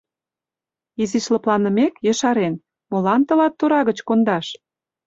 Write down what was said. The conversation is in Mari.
Изиш лыпланымек, ешарен: «Молан тылат тора гыч кондаш?